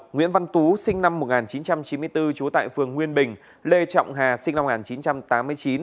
nguyễn văn tú sinh năm một nghìn chín trăm chín mươi bốn trú tại phường nguyên bình lê trọng hà sinh năm một nghìn chín trăm tám mươi chín